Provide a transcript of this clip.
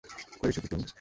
করেছ কী তুমি?